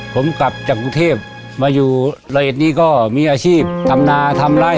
ผมกลับจากกรุงเทพมาอยู่ละเอียดนี้ก็มีอาชีพทำนาทำไล่